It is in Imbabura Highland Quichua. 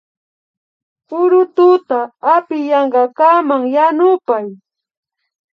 Purututa apiyankakaman yanupay